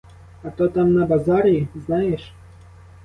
А то там на базарі — знаєш?